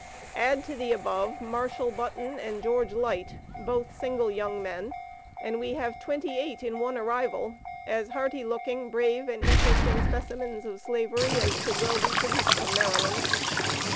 Add to the above, Marshall Button and George Light, both single young men, and we have twenty eight in one arrival, as hearty looking, brave and interesting specimens of Slavery as could well be produced from Maryland.